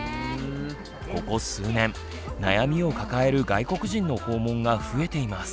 ここ数年悩みを抱える外国人の訪問が増えています。